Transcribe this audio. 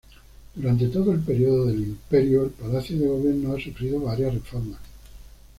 Durante todo el período del imperio el Palacio de Gobierno ha sufrido varias reformas.